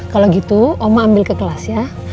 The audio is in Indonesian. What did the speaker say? kalau gitu oma ambil ke kelas ya